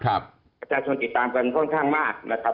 ครับผมตรงนี้เรียนโทษภาพครับ